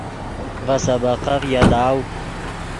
ڤے سبقف یاداؤ